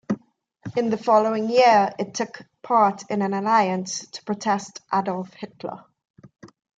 In the following year it took part in an alliance to protest Adolf Hitler.